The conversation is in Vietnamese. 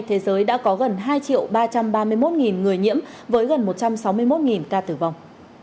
thế giới đã có gần hai ba trăm ba mươi một người nhiễm với gần một trăm sáu mươi một ca tử vong